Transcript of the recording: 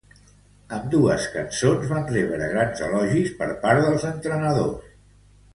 Ambdues cançons van rebre grans elogis per part dels entrenadors.